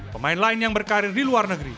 pemain lain yang berkarir di luar negeri